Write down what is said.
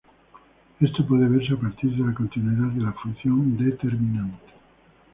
Esto puede verse a partir de la continuidad de la función determinante.